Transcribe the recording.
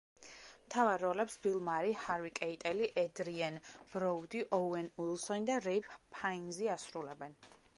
მთავარ როლებს ბილ მარი, ჰარვი კეიტელი, ედრიენ ბროუდი, ოუენ უილსონი და რეიფ ფაინზი ასრულებენ.